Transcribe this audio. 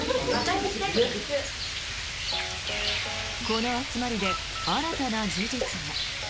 この集まりで新たな事実が。